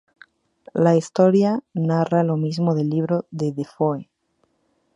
La historia narra lo mismo del libro de Defoe.